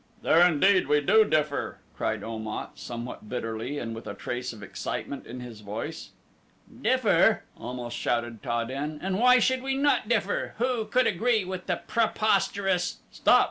"There indeed we do differ," cried Om at, somewhat bitterly and with a trace of excitement in his voice. "Differ!" almost shouted Ta den; "and why should we not differ? Who could agree with the preposterous " "Stop!"